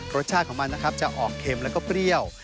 รสชาติของมันนะครับจะออกเค็มแล้วก็เปรี้ยว